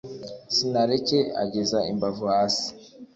sinareke ageza imbavu hasi,